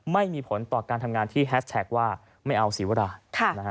ไม่มีผลต่อการทำงานที่แฮสแท็กว่าไม่เอาศีวรา